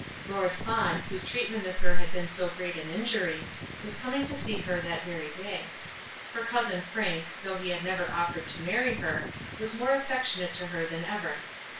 Lord Fawn, whose treatment to her had been so great an injury, was coming to see her that very day. Her cousin Frank, though he had never offered to marry her, was more affectionate to her than ever.